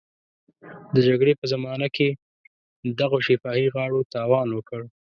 د جګړې په زمانه کې دغو شفاهي غاړو تاوان وکړ.